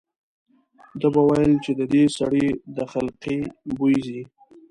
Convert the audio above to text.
ده به ویل چې د دې سړي د خلقي بوی ځي.